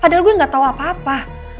padahal gue gak tau apa apa